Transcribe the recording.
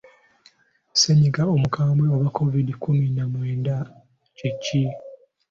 Ssennyiga omukambwe Oba Kovidi kkumi na mwenda kye ki?